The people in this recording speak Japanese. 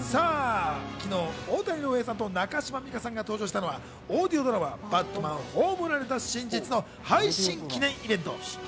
昨日、大谷亮平さんと中島美嘉さんが登場したのはオーディオドラマ『ＢＡＴＭＡＮ葬られた真実』の配信記念イベント。